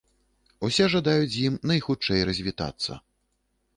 Усе жадаюць з ім найхутчэй развітацца.